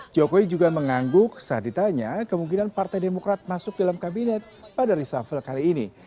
jokowi juga mengangguk saat ditanya kemungkinan partai demokrat masuk dalam kabinet pada reshuffle kali ini